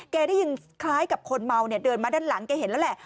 ได้ยินคล้ายกับคนเมาเนี่ยเดินมาด้านหลังแกเห็นแล้วแหละ